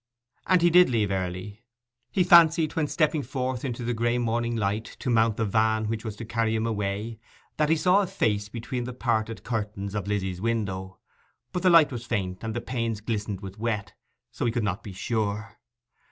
And he did leave early. He fancied, when stepping forth into the grey morning light, to mount the van which was to carry him away, that he saw a face between the parted curtains of Lizzy's window, but the light was faint, and the panes glistened with wet; so he could not be sure.